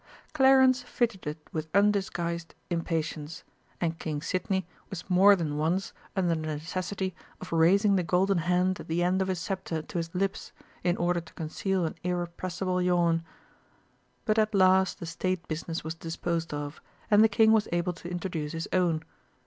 Clarence fidgeted with undisguised impatience, and King Sidney was more than once under the necessity of raising the golden hand at the end of his sceptre to his lips in order to conceal an irrepressible yawn. But at last the state business was disposed of, and the King was able to introduce his own.